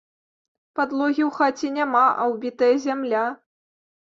Падлогі ў хаце няма, а ўбітая зямля.